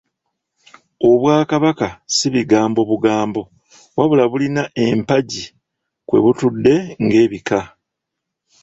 Obwakabaka ssi bigambo bugambo wabula bulina empagi kwebutudde ng'ebika.